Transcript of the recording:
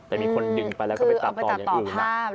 แต่มีคนดึงไปแล้วก็ไปตัดต่ออย่างอื่น